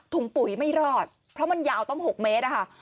ปุ๋ยไม่รอดเพราะมันยาวต้อง๖เมตรอะค่ะ